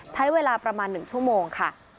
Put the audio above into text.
ใช้เวลาประมาณ๑ชั่วโมงค่ะ